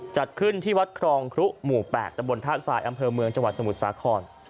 จัดขึ้นที่วัดครองครุหมู่๘ตะบนท่าทรายอำเภอเมืองจังหวัดสมุทรสาคร